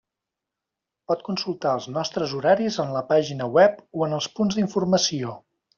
Pot consultar els nostres horaris en la pàgina web o en els punts d'informació.